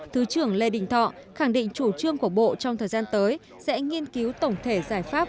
thứ trưởng lê đình thọ khẳng định chủ trương của bộ trong thời gian tới sẽ nghiên cứu tổng thể giải pháp